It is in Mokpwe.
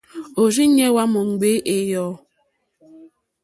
Òrzìɲɛ́ hwá mò ŋɡbèé ɛ̀yɔ̂.